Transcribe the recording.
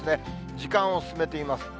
時間を進めてみます。